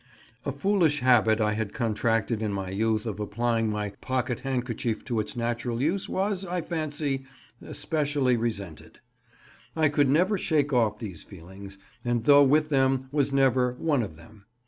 A foolish habit I had contracted in my youth of applying my pocket handkerchief to its natural use was, I fancy, specially resented. I could never shake off these feelings, and though with them, was never "one of them."